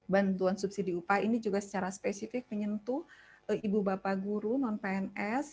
bantuan subsidi upah ini juga secara spesifik menyentuh ibu bapak guru non pns